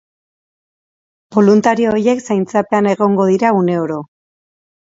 Boluntario horiek zaintzapean egongo dira uneoro.